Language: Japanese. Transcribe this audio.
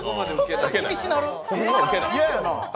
嫌やな。